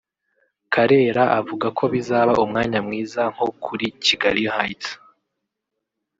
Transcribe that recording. Karera avuga ko bizaba umwanya mwiza nko kuri Kigali Heights